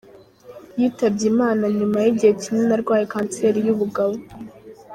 Yitabye Imana nyuma y’igihe kinini arwaye kanseri y’ubugabo.